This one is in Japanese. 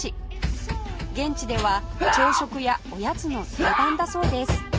現地では朝食やおやつの定番だそうです